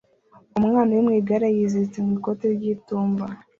Umwana uri mu igare yiziritse mu ikoti ry'itumba